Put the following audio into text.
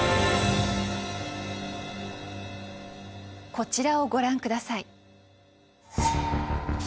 こちらをご覧下さい。